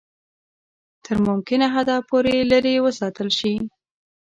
تر ممکنه حده پوري لیري وساتل شي.